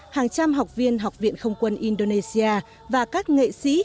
hàng trăm học viên học viện không quân indonesia và các nghệ sĩ